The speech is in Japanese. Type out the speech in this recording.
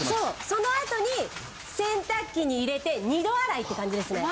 その後に洗濯機に入れて２度洗いって感じですね。